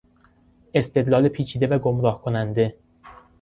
استدلال پیچیده و گمراه کننده